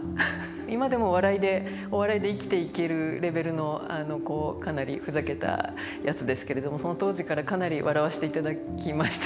今でも笑いでお笑いで生きていけるレベルのかなりふざけたやつですけれどもその当時からかなり笑わせていただきました。